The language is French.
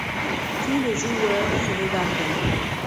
Tous les joueurs se regardèrent.